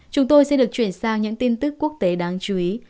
chúng tôi sẽ được chuyển sang những tin tức quốc tế đáng chú ý